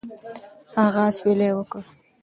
هغه اسویلی وکړ.